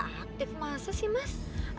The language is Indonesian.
gak aktif masa sih mas